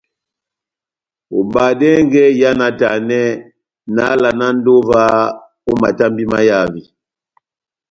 Obadɛngɛ iha náhtanɛ, nahávalanandi ová ó matambi mahavi.